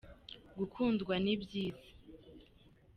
gukundwa nibyiza.